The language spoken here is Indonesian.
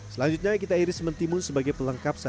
selanjutnya kita iris mentimun sebagai pelengkap sate